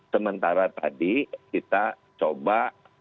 sementara tadi kita coba